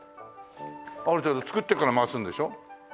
ある程度作ってから回すんでしょ？